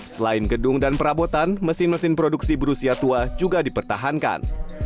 selain gedung dan perabotan mesin mesin produksi berusia tua juga dipertahankan